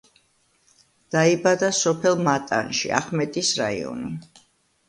დაიბადა სოფელ მატანში, ახმეტის რაიონი.